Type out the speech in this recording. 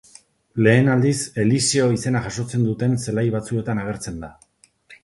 Lehen aldiz, Eliseo izena jasotzen duten zelai batzuetan agertzen da.